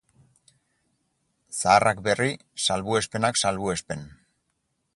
Zaharrak berri, salbuespenak-salbuespen.